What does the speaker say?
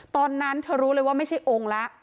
ตอนนั้นเธอรู้เลยว่าไม่ใช่องค์แล้ว